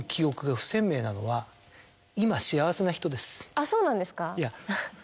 あっそうなんですか？